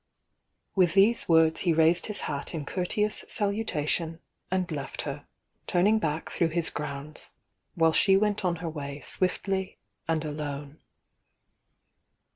With thtoo words he raised his hat in courteous salutation and left her, turning back through his grounds — while she went on her way swiftly and alone.